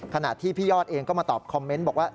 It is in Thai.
ขณะที่พี่ยอดเองก็มาตอบคอมเมนต์บอกว่า